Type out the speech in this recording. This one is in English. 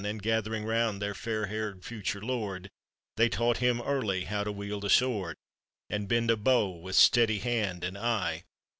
And gathering round their fair haired future lord, They taught him early how to wield a . word. And bend a bow with steady hand and eye.